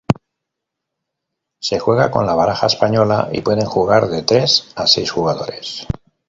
Se juega con la baraja española y pueden jugar de tres a seis jugadores.